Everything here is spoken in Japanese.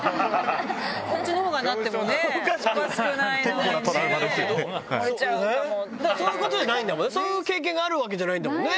こっちのほうがなってもね、そういうことじゃないんだもんね、そういう経験があるわけじゃないんだもんね。